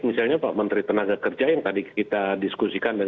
misalnya pak menteri tenaga kerja yang tadi kita diskusikan